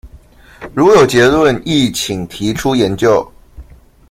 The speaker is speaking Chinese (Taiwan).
如有結論亦請提出研究